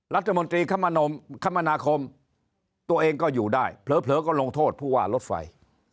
รัฐมนตรีคมนาคมตัวเองก็อยู่ได้เผลอก็ลงโทษผู้ว่ารถไฟ